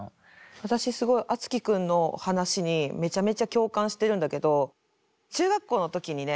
私すごいあつき君の話にめちゃめちゃ共感してるんだけど中学校の時にね。